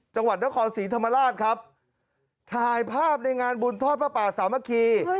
จังหวัดนครศรีธรรมราชครับถ่ายภาพในงานบุญทอดพระป่าสามัคคี